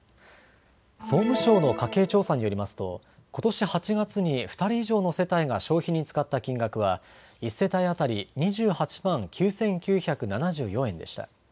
総務省の家計調査によりますとことし８月に２人以上の世帯が消費に使った金額は１世帯当たり２８万９９７４円でした。